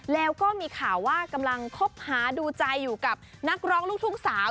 แล้วก็มีข่าวว่ากำลังคบหาดูใจอยู่กับนักร้องลูกทุ่งสาว